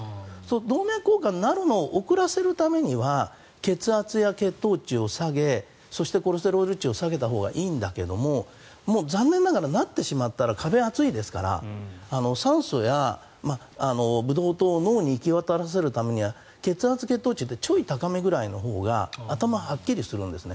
動脈硬化になるのを遅らせるためには血圧や血糖値を下げそしてコレステロール値を下げたほうがいいんだけど残念ながらなってしまったら壁は厚いですから酸素やブドウ糖を脳に行き渡らせるためには血圧、血糖値ってちょい高めのほうが頭がはっきりするんです。